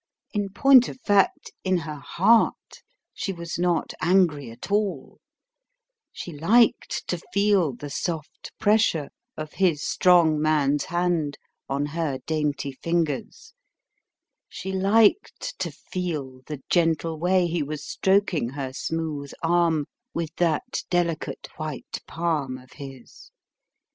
In point of fact, in her heart, she was not angry at all; she liked to feel the soft pressure of his strong man's hand on her dainty fingers; she liked to feel the gentle way he was stroking her smooth arm with that delicate white palm of his.